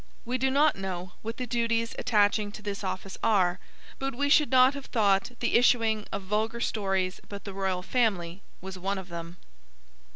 We do not know what the duties attaching to this office are, but we should not have thought that the issuing of vulgar stories about the Royal Family was one of them.